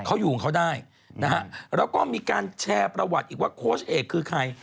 เขาอยู่ของเขาได้นะฮะแล้วก็มีการแชร์ประวัติอีกว่าโค้ชเอกคือใคร